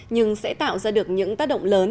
nhưng sẽ tạo ra được những tác động lớn